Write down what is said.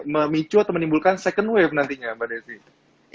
memicu atau menimbulkan second wave nantinya mbak desi